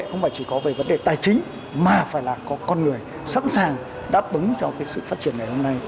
không phải chỉ có về vấn đề tài chính mà phải là có con người sẵn sàng đáp ứng cho sự phát triển ngày hôm nay